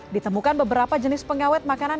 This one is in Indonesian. ditemukan beberapa jenis pengawet makanan